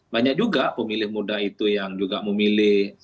banyak juga pemilih muda itu yang juga memilih